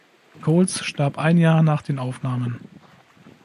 Coles starb ein Jahr nach den Aufnahmen.